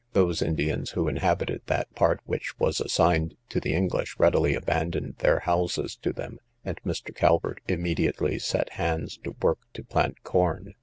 Those Indians who inhabited that part which was assigned to the English, readily abandoned their houses to them; and Mr. Calvert immediately set hands to work to plant corn.